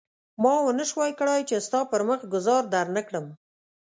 ما ونه شول کړای چې ستا پر مخ ګوزار درنه کړم.